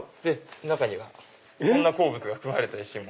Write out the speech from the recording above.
中には鉱物が含まれた石も。